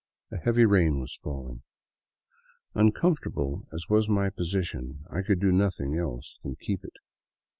A heavy rain was falling. Uncomfort able as was my position, I could do nothing else than keep it.